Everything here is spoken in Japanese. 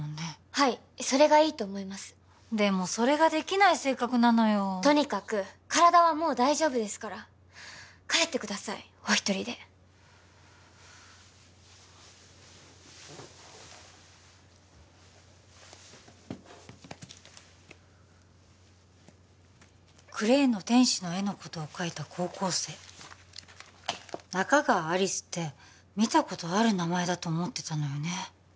はいそれがいいと思いますでもそれができない性格なのよとにかく体はもう大丈夫ですから帰ってくださいお一人でクレーの天使の絵のことを書いた高校生仲川有栖って見たことある名前だと思ってたのよね